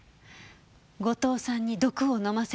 後藤さんに毒を飲ませるため。